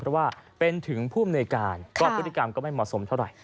เพราะว่าเป็นถึงผู้อำนวยการก็พฤติกรรมก็ไม่เหมาะสมเท่าไหร